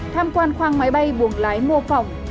tham quan khoang máy bay buồng lái mô phỏng